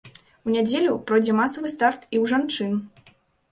У нядзелю пройдзе масавы старт і ў жанчын.